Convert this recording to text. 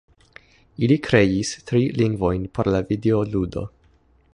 Ili kreis tri lingvojn por la videoludo